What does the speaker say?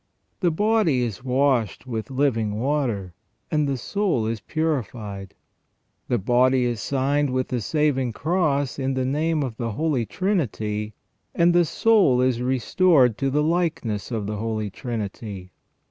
The body is washed with living water, and the soul is purified. The body is signed with the saving Cross in the name of the Holy Trinity, and the soul is restored to the likeness of the Holy Trinity.